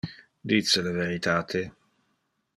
Dice le veritate.